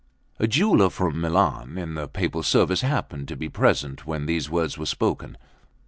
A jeweller from Milan in the Papal service happened to be present when these words were spoken.